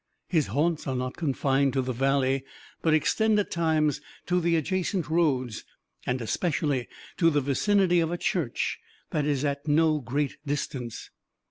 His haunts are not confined to the valley, but extend at times to the adjacent roads, and especially to the vicinity of a church that is at no great distance.